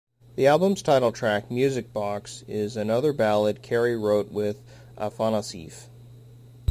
The album's title track, "Music Box", is another ballad Carey wrote with Afanasieff.